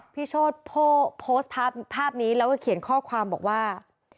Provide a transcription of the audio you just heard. โชธโพสต์ภาพนี้แล้วก็เขียนข้อความบอกว่า